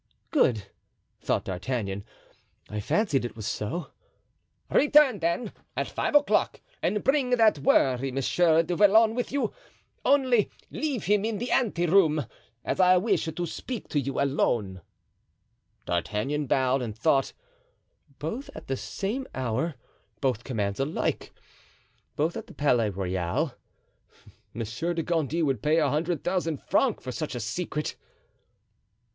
"Good!" thought D'Artagnan; "I fancied it was so." "Return, then, at five o'clock and bring that worthy Monsieur du Vallon with you. Only, leave him in the ante room, as I wish to speak to you alone." D'Artagnan bowed, and thought: "Both at the same hour; both commands alike; both at the Palais Royal. Monsieur de Gondy would pay a hundred thousand francs for such a secret!"